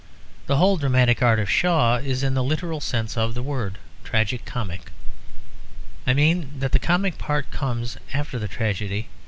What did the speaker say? The whole dramatic art of Shaw is in the literal sense of the word, tragi comic; I mean that the comic part comes after the tragedy.